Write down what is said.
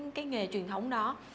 những cái nghề truyền thống đó